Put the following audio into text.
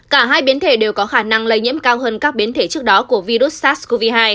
cả hai biến thể đều có khả năng lây nhiễm cao hơn các biến thể trước đó của virus sars cov hai